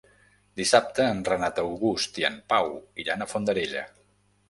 Dissabte en Renat August i en Pau iran a Fondarella.